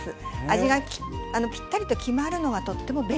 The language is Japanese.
味がぴったりと決まるのはとっても便利ですね。